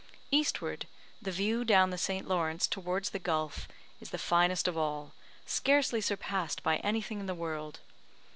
Eastward, the view down the St. Lawrence towards the Gulf, is the finest of all, scarcely surpassed by anything in the world.